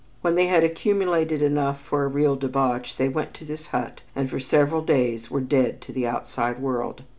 When they had accumulated enough for a real debauch they went to this hut and for several days were dead to the outside world.